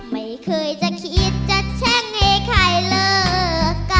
ไม่เคยจะคิดจะแช่งให้ใครเลิกกัน